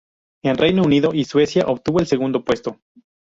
En Reino Unido y Suecia obtuvo el segundo puesto.